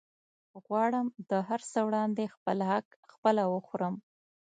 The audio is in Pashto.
غواړم د هرڅه وړاندې خپل حق خپله وخورم